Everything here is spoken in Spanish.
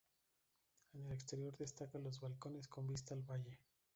En el exterior destaca los balcones con vista al valle.